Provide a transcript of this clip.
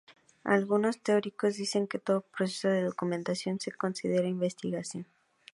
Algunos teóricos dicen que todo proceso de documentación se considera investigación.